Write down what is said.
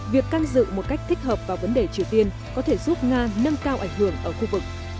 việc can dự một cách thích hợp vào vấn đề triều tiên có thể giúp nga nâng cao ảnh hưởng ở khu vực